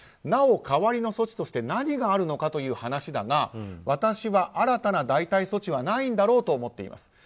なお代わりの措置として何があるのかという話だが私は新たな代替措置はないんだろうと思っています。